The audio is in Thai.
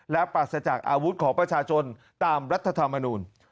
และปราศจากอาวุธของประชาชนตามรัฐธรรมนูล